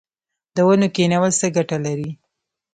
د ونو کینول څه ګټه لري؟